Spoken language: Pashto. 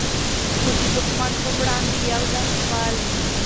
خو د دښمن په وړاندې یو ځای سول.